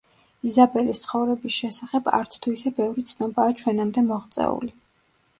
იზაბელის ცხოვრების შესახებ, არც თუ ისე ბევრი ცნობაა ჩვენამდე მოღწეული.